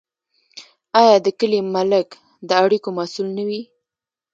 آیا د کلي ملک د اړیکو مسوول نه وي؟